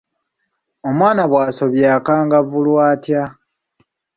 Omwana bw'asobya akangavvulwa atya?